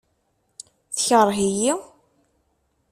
Tekreḥ-iyi?